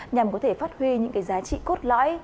nhằm có thể phát huy những cái giá trị cốt lõi